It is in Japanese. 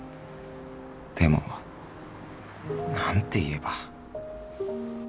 でも何て言えば？